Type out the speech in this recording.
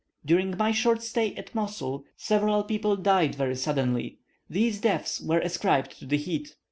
During my short stay at Mosul, several people died very suddenly; these deaths were ascribed to the heat.